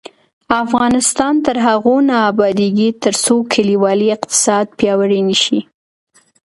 افغانستان تر هغو نه ابادیږي، ترڅو کلیوالي اقتصاد پیاوړی نشي.